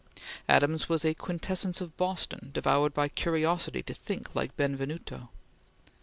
Adams was a quintessence of Boston, devoured by curiosity to think like Benvenuto.